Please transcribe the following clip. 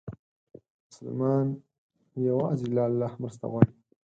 مسلمان یوازې له الله مرسته غواړي.